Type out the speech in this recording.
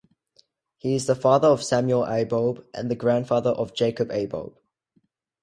He is the father of Samuel Aboab and the grandfather of Jacob Aboab.